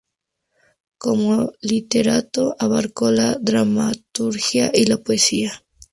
Como literato abarcó la dramaturgia y la poesía.